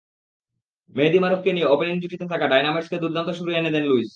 মেহেদী মারুফকে নিয়ে ওপেনিং জুটিতে ঢাকা ডায়নামাইটসকে দুর্দান্ত শুরু এনে দেন লুইস।